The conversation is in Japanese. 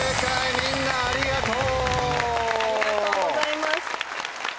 みんなありがとう。